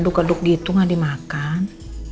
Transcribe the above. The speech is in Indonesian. keduk keduk gitu gak dimakan